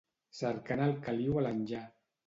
Cercant el caliu a l'enllà